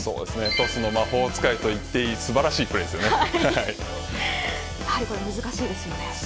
トスの魔法使いといっていい素晴らしいプレー難しいですよね。